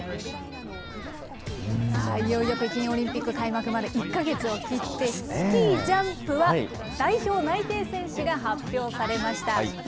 いよいよ北京オリンピック開幕まで１か月を切って、スキージャンプは、代表内定選手が発表されました。